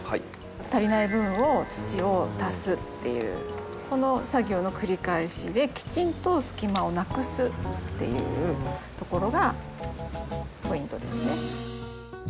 足りない部分を土を足すっていうこの作業の繰り返しできちんと隙間をなくすっていうところがポイントですね。